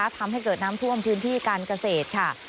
ทำให้เกิดน้ำท่วมพื้นที่การเกษตรค่ะ